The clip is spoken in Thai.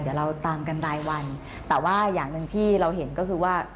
เดี๋ยวเราตามกันรายวันแต่ว่าอย่างหนึ่งที่เราเห็นก็คือว่า